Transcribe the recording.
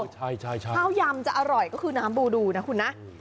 ใช่ข้าวยำจะอร่อยก็คือน้ำบูดูนะคุณนะ